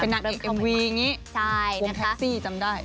นางเอกเอ็มวีอย่างนี้วงแท็กซี่จำได้